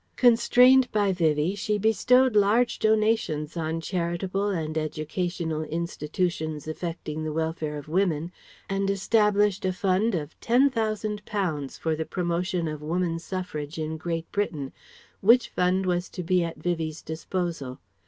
Constrained by Vivie she bestowed large donations on charitable and educational institutions affecting the welfare of women and established a fund of Ten thousand pounds for the promotion of Woman Suffrage in Great Britain, which fund was to be at Vivie's disposal.